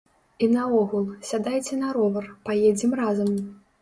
І наогул, сядайце на ровар, паедзем разам!